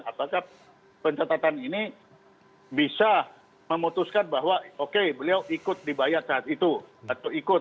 apakah pencatatan ini bisa memutuskan bahwa oke beliau ikut dibayar saat itu atau ikut